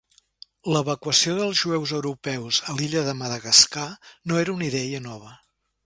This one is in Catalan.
L'evacuació dels jueus europeus a l'illa de Madagascar no era una idea nova.